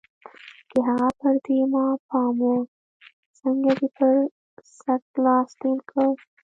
د هغه پر دې ما پام و، څنګه دې پر څټ لاس تېر کړ؟